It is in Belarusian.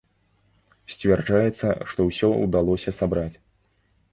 Сцвярджаецца, што ўсё ўдалося сабраць.